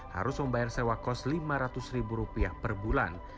harus membayar sewa kos rp lima ratus per bulan